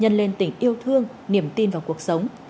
nhân lên tình yêu thương niềm tin vào cuộc sống